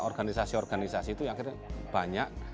organisasi organisasi itu akhirnya banyak